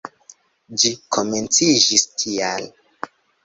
Ĝi komenciĝis tial.